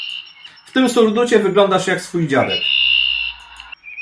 W tym surducie wyglądasz jak swój dziadek.